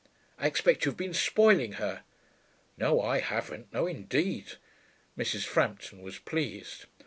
I expect you've been spoiling her.' 'No, I haven't no, indeed.' Mrs. Frampton was pleased.